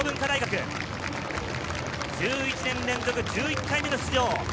１１年連続１１回目の出場。